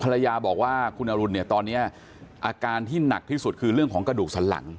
ภรรยาบอกว่าคุณอรุณเนี่ยตอนนี้อาการที่หนักที่สุดคือเรื่องของกระดูกสันหลัง